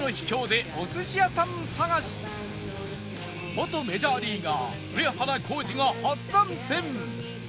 元メジャーリーガー上原浩治が初参戦！